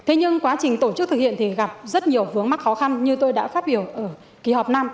thế nhưng quá trình tổ chức thực hiện thì gặp rất nhiều vướng mắc khó khăn như tôi đã phát biểu ở kỳ họp năm